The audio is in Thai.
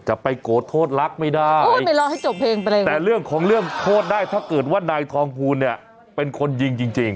จะไปโกรธโทษรักไม่ได้แต่เรื่องของเรื่องโทษได้ถ้าเกิดว่านายทองพูนเนี่ยเป็นคนยิงจริง